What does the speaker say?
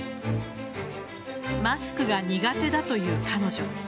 マスクが苦手だという彼女。